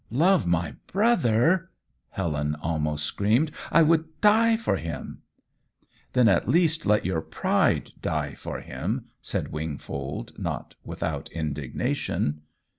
"Love my brother!" Helen almost screamed. "I would die for him." "Then at least let your pride die for him," said Wingfold, not without indignation.